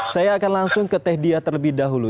saya akan langsung ke teh dia terlebih dahulu